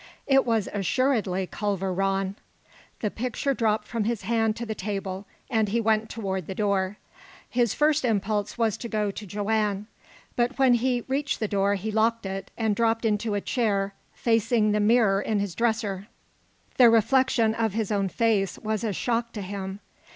It was assuredly Culver Rann! The picture dropped from his hand to the table, and he went toward the door. His first impulse was to go to Joanne. But when he reached the door he locked it, and dropped into a chair, facing the mirror in his dresser. The reflection of his own face was a shock to him.